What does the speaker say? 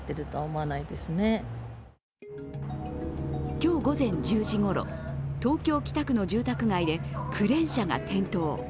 今日午前１０時ごろ、東京・北区の住宅街でクレーン車が転倒。